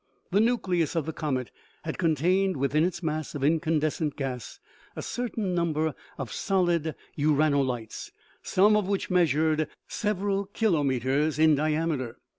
The nucleus of the comet had contained within its mass of incandescent gas a certain number of solid uranolites, some of which measured several kilometers in diameter.